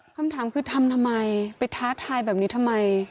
คำถามคือทำทำไมไปท้าทายแบบนี้ทำไม